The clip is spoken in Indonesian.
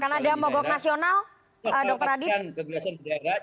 akan ada mogok nasional dokter adi